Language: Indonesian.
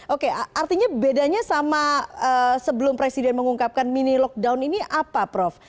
oke artinya bedanya sama sebelum presiden mengungkapkan mini lockdown ini apa prof